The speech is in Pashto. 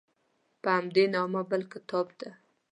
په همدې نامه بل کتاب ده.